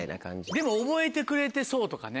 でも覚えてくれてそうとかね。